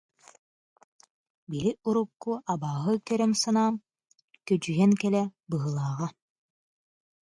Били урукку абааһы көрөр санаам күөдьүйэн кэллэ быһыылааҕа